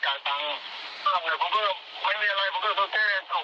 ใช่แล้วผมก็นับเหลือนี่เพราะฉะนั้น